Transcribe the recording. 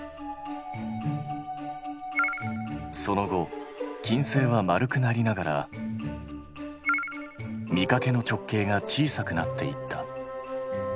その後金星は丸くなりながら見かけの直径が小さくなっていった。